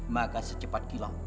maka secepat kilau